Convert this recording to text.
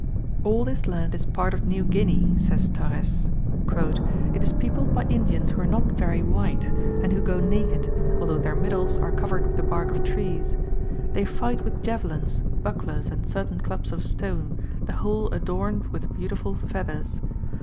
"All this land is part of New Guinea," says Torrès, "it is peopled by Indians who are not very white, and who go naked, although their middles are covered with the bark of trees.... They fight with javelins, bucklers, and certain clubs of stone, the whole adorned with beautiful feathers.